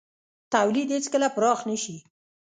تولید هېڅکله پراخ نه شي.